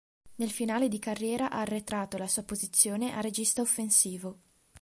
Nel finale di carriera ha arretrato la sua posizione a regista offensivo.